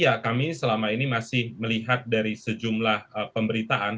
ya kami selama ini masih melihat dari sejumlah pemberitaan